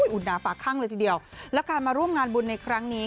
อุดหนาฝากข้างเลยทีเดียวและการมาร่วมงานบุญในครั้งนี้